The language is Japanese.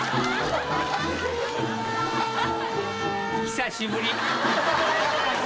久しぶり。